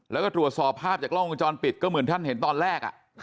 แล้วก็ตรวจสอบภาพจากกล้องวงจรปิดก็เหมือนท่านเห็นตอนแรก